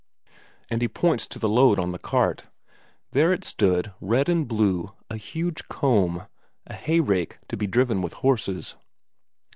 And he points to the load on the cart. There it stood, red and blue, a huge comb, a hayrake to be driven with horses.